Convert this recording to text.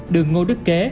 đường ngô đức kế